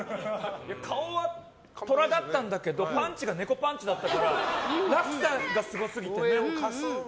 顔はトラだったんだけどパンチが猫パンチだったから落差がすごすぎて。